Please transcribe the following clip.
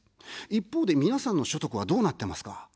一方で、皆さんの所得はどうなってますか。